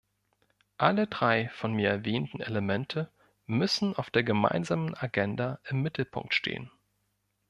Alle drei von mir erwähnten Elemente müssen auf der gemeinsamen Agenda im Mittelpunkt stehen.